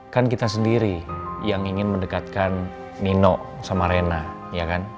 kan kita sendiri yang ingin mendekatkan nino sama rena ya kan